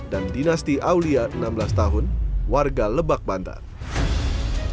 dan dinasti aulia enam belas tahun warga lebak bantan